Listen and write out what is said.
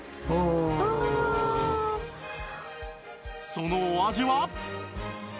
そのお味は？